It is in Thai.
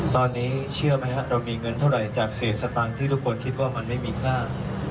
ตอนนี้เชื่อไหมครับเรามีเงินเท่าไหร่จาก๔สตางค์ที่ทุกคนคิดว่ามันไม่มีค่า